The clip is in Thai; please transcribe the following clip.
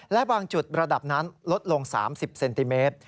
และบางจุดระดับน้ำลดลง๓๐เซนติเมตร